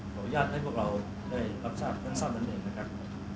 อนุญาตให้พวกเราได้รับทราบท่านทราบนั่นเองนะครับ